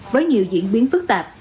với nhiều diễn biến phức tạp